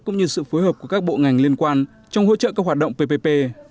cũng như sự phối hợp của các bộ ngành liên quan trong hỗ trợ các hoạt động ppp